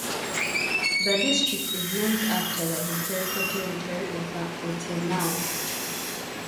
The district is named after the historical territory of the Ortenau.